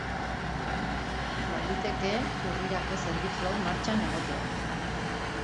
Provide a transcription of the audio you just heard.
Baliteke urrirako zerbitzu hau martxan egotea.